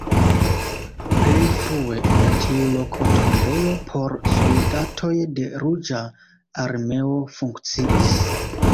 Pli frue en tiu loko tombejo por soldatoj de Ruĝa Armeo funkciis.